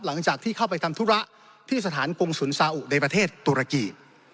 หลังจากที่เข้าไปทำธุระที่สถานกงศุลซาอุในประเทศตุรกี